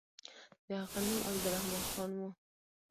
د هغه نوم عبدالرحمن خان وو.